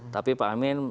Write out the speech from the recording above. tapi pak amin